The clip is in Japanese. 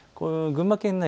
群馬県内